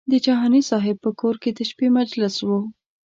د جهاني صاحب په کور کې د شپې مجلس و.